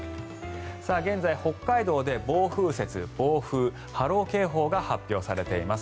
現在、北海道で暴風雪、暴風、波浪警報が発表されています。